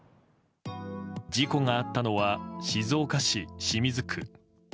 事故があったのは、静岡市清水区。